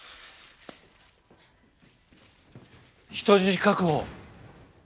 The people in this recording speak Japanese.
人質確保！